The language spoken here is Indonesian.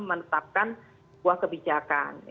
menetapkan buah kebijakan